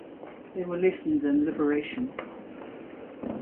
They were lessons in liberation.